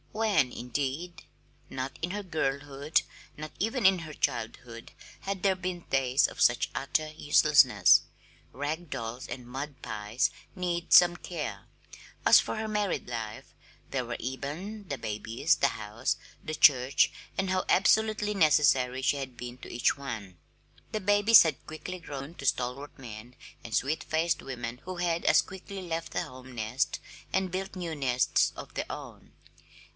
When, indeed? Not in her girlhood, not even in her childhood, had there been days of such utter uselessness rag dolls and mud pies need some care! As for her married life, there were Eben, the babies, the house, the church and how absolutely necessary she had been to each one! The babies had quickly grown to stalwart men and sweet faced women who had as quickly left the home nest and built new nests of their own.